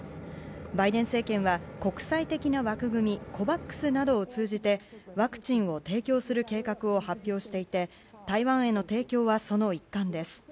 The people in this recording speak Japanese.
バイデン政権は、国際的な枠組みＣＯＶＡＸなどを通じてワクチンを提供する計画を発表していて台湾への提供は、その一環です。